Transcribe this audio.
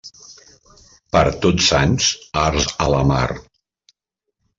Per Tots Sants, arts a la mar.